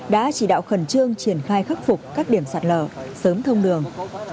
đã chỉ đạo khẩn trương triển khai khắc phục các điểm sạt lở sớm thông đường